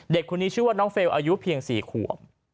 เด็กคนนี้ชื่อว่าน้องเฟลล์อายุเพียง๔ขวบ